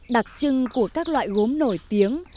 đặc trưng của các loại gốm nổi tiếng